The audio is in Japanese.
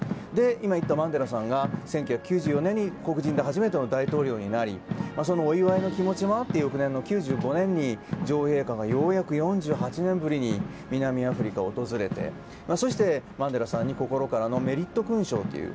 今、言ったマンデラさんが１９９４年に黒人で初めての大統領になり、そのお祝いの気持ちもあって翌年の９６年に女王陛下がようやく４８年ぶりに南アフリカを訪れてマンデラさんに心からのメリット勲章という。